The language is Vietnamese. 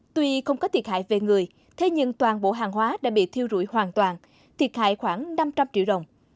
tuy không có thiệt hại về người thế nhưng toàn bộ hàng hóa đã bị thiêu rụi hoàn toàn thiệt hại khoảng năm trăm linh triệu đồng